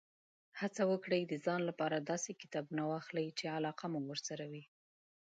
هڅه وکړئ، د ځان لپاره داسې کتابونه واخلئ، چې علاقه مو ورسره وي.